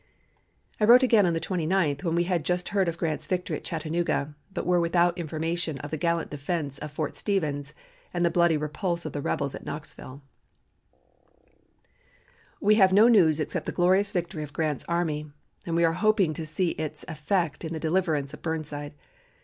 I wrote again on the 29th when we had just heard of Grant's victory at Chattanooga, but were without information of the gallant defense of Fort Stevens and the bloody repulse of the rebels at Knoxville: "We have no news except the glorious victory of Grant's army, and we are hoping to see its effect in the deliverance of Burnside.